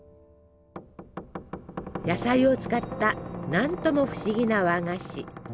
野菜を使った何とも不思議な和菓子。